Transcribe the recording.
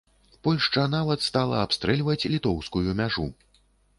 Польшча нават стала абстрэльваць літоўскую мяжу.